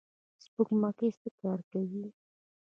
سپوږمکۍ څه کار کوي؟